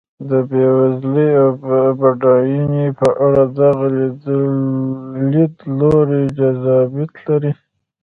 د بېوزلۍ او بډاینې په اړه دغه لیدلوری جذابیت لري.